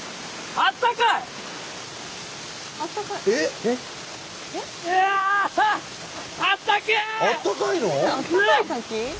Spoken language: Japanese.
あったかい滝？